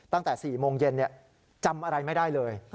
ตั้งแต่๔โมงเย็นจำอะไรไม่ได้เลย